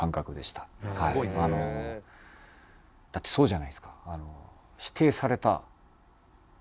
だってそうじゃないですか。